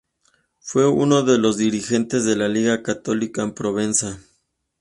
Fue uno de los dirigentes de la Liga Católica en Provenza.